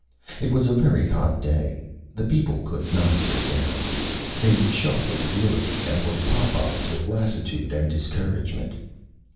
It was a very hot Day. The People could not sit down. They shuffled Wearily and were pop eyed with Lassitude and Discouragement.